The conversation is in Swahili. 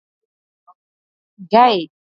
Andaa viazi lishe vyenye virutubisho